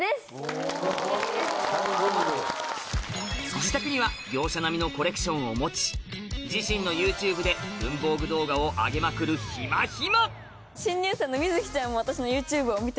自宅には業者並みのコレクションを持ち自身のＹｏｕＴｕｂｅで文房具動画を上げまくるひまひまそうなんですよ